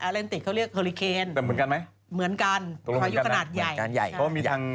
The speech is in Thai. อัลแลนติกเขาเรียกฮอริเคนแต่เหมือนกันไหมเหมือนกันเพราะอยู่ขนาดใหญ่เพราะว่ามีทาง